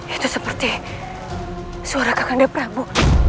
itu seperti suara kakanda prabu